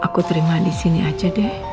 aku terima di sini aja deh